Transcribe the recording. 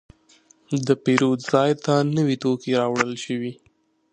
د پیرود ځای ته نوي توکي راوړل شول.